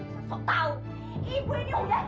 sesok tahu ibu ini punya capek